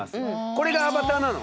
これがアバターなの？